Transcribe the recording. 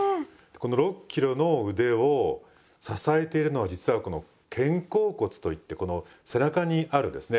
この６ｋｇの腕を支えているのは実はこの肩甲骨といってこの背中にあるですね